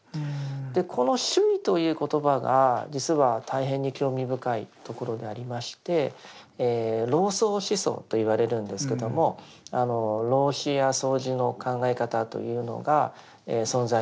この「守意」という言葉が実は大変に興味深いところでありまして「老荘思想」と言われるんですけども老子や荘子の考え方というのが存在してたといいます。